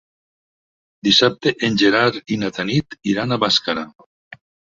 Dissabte en Gerard i na Tanit iran a Bàscara.